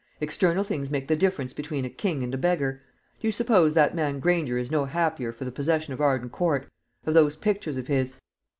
External things make the difference between a king and a beggar. Do you suppose that man Granger is no happier for the possession of Arden Court of those pictures of his?